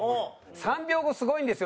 「３秒後すごいんですよ！」